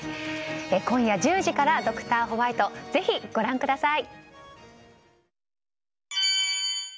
今夜１０時から「ドクターホワイト」ぜひご覧ください。